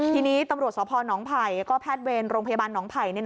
ทีนี้ตำรวจสพนไผ่แล้วก็แพทย์เวรโรงพยาบาลหนองไผ่